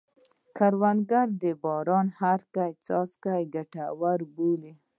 کروندګر د باران هره څاڅکه ګټوره بولي